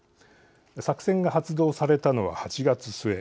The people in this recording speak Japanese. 作戦が発動されたのは８月末。